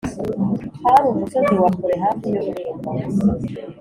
Hari umusozi wa kure hafi y’ururembo